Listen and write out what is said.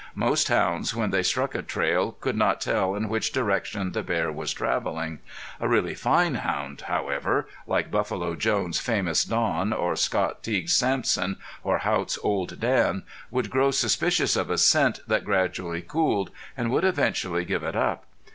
Most hounds, when they struck a trail, could not tell in which direction the bear was traveling. A really fine hound, however, like Buffalo Jones' famous Don, or Scott Teague's Sampson or Haught's Old Dan, would grow suspicious of a scent that gradually cooled, and would eventually give it up.